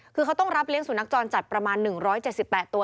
คือเขาต้องรับเลี้ยสุนัขจรจัดประมาณ๑๗๘ตัว